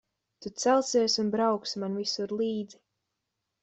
Tu celsies un brauksi man visur līdzi.